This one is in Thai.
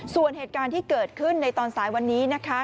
ส่วนเหตุการณ์ที่เกิดขึ้นในตอนสายวันนี้นะคะ